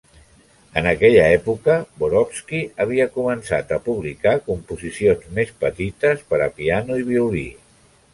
En aquella època, Borowski havia començat a publicar composicions més petites per a piano i violí.